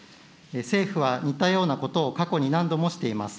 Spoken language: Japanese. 政府は似たようなことを過去に何度もしています。